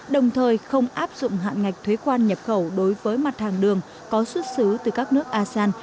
đồng thời không áp dụng hạn ngạch thuế quan nhập khẩu đối với mặt hàng đường có xuất xứ từ các nước asean